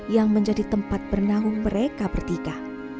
yang menjadi tempat bernahung mereka bertiga